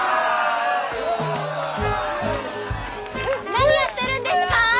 何やってるんですか？